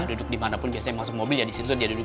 duduk dimanapun biasanya masuk mobil ya disitu dia duduk